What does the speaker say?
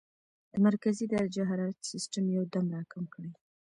د مرکزي درجه حرارت سسټم يو دم را کم کړي -